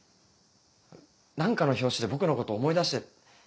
何かの拍子で僕のこと思い出して。